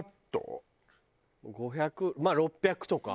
５００まあ６００とか。